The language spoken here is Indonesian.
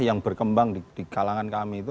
yang berkembang di kalangan kami itu